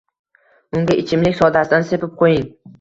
Unga ichimlik sodasidan sepib qo'ying.